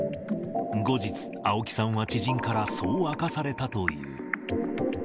後日、青木さんは知人からそう明かされたという。